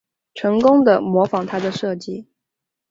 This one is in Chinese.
成功的模仿他的设计